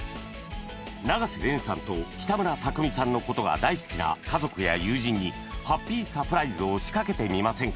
永瀬廉さんと北村匠海さんのことが大好きな家族や友人にハッピーサプライズを仕掛けてみませんか？